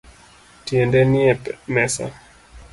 Tiende nie mesa